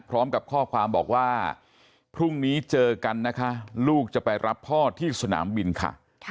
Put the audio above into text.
พร้อมกับข้อความบอกว่าพรุ่งนี้เจอกันนะคะลูกจะไปรับพ่อที่สนามบินค่ะ